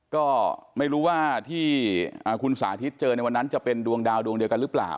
ก็ไม่รู้ว่าที่คุณสาธิตเจอในวันนั้นจะเป็นดวงดาวดวงเดียวกันหรือเปล่า